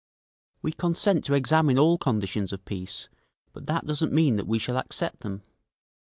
"We consent to examine all conditions of peace, but that doesn't mean that we shall accept them….